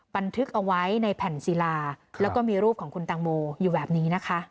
บันทึกเอาไว้ในแผ่นศิลาแล้วก็มีรูปของคุณตังโมอยู่แบบนี้นะคะ